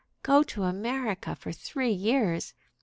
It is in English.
"Go to America for three years!